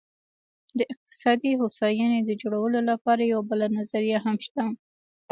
د اقتصادي هوساینې د جوړولو لپاره یوه بله نظریه هم شته.